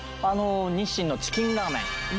日清のチキンラーメン